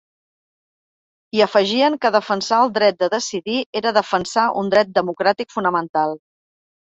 I afegien que defensar el dret de decidir era defensar un dret democràtic fonamental.